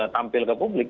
tampil ke publik